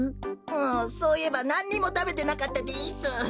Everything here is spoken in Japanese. おそういえばなんにもたべてなかったです。